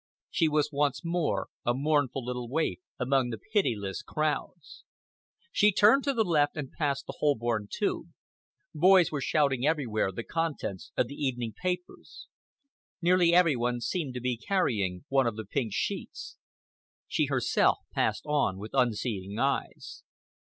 She was once more a mournful little waif among the pitiless crowds. She turned to the left and past the Holborn Tube. Boys were shouting everywhere the contents of the evening papers. Nearly every one seemed to be carrying one of the pink sheets. She herself passed on with unseeing eyes.